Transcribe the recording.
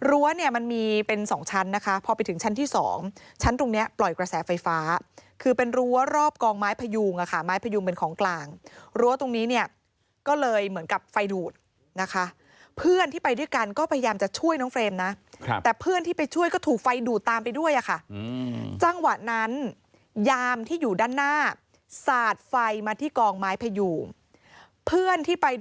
เนี่ยมันมีเป็นสองชั้นนะคะพอไปถึงชั้นที่สองชั้นตรงเนี้ยปล่อยกระแสไฟฟ้าคือเป็นรั้วรอบกองไม้พยูงอะค่ะไม้พยุงเป็นของกลางรั้วตรงนี้เนี่ยก็เลยเหมือนกับไฟดูดนะคะเพื่อนที่ไปด้วยกันก็พยายามจะช่วยน้องเฟรมนะแต่เพื่อนที่ไปช่วยก็ถูกไฟดูดตามไปด้วยอะค่ะจังหวะนั้นยามที่อยู่ด้านหน้าสาดไฟมาที่กองไม้พยูงเพื่อนที่ไปด้วย